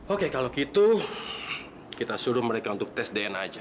oke kalau gitu kita suruh mereka untuk tes dna saja